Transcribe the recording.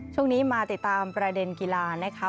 ช่วงนี้มาติดตามประเด็นกีฬานะคะ